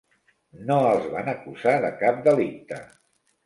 No els van acusar de cap delicte.